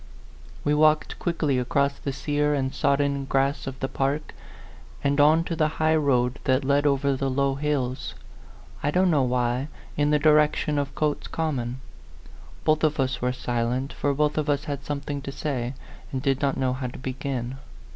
We walked quickly across the sear and sodden grass of the park, and on to the high road that led over the low hills, I don't know why, in the direction of Cotes Com mon. Both of us were silent, for both of us had something to say, and did not know how to begin.